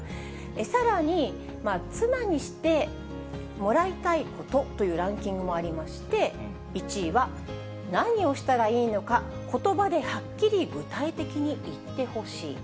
さらに、妻にしてもらいたいことというランキングもありまして、１位は何をしたらいいのか、ことばではっきり具体的に言ってほしい。